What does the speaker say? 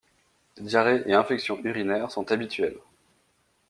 Diarrhée et infection urinaire sont habituelles.